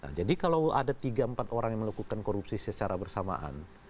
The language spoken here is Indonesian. nah jadi kalau ada tiga empat orang yang melakukan korupsi secara bersamaan